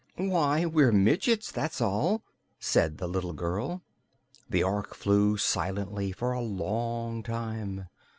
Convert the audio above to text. "Why, we're midgets, that's all," said the little girl. The Ork flew silently for a long time.